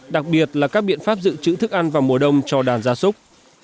đặc biệt là các biện pháp giữ chữ thức ăn vào mùa đông cho đàn gia súc